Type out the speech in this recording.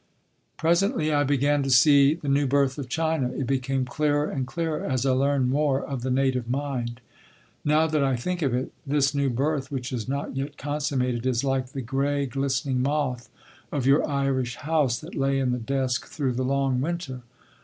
"Presently I began to see the new birth of China. It became clearer and clearer as I learned more of the native mind. Now that I think of it, this new birth which is not yet consummated, is like the gray glistening moth of your Irish house that lay in the desk through the long winter.